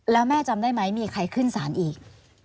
แล้วแม่จำได้ไหมมีใครขึ้นสารอีก